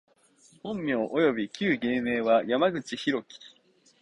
本名および旧芸名は、山口大樹（やまぐちひろき）